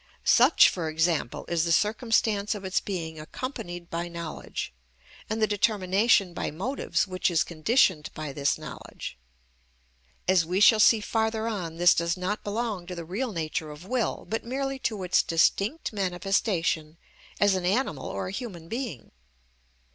Such, for example, is the circumstance of its being accompanied by knowledge, and the determination by motives which is conditioned by this knowledge. As we shall see farther on, this does not belong to the real nature of will, but merely to its distinct manifestation as an animal or a human being.